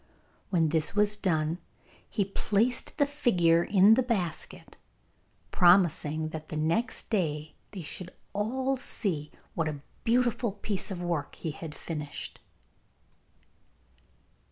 When this was done he placed the figure in the basket, promising that the next day they should all see what a beautiful piece of work he had finished.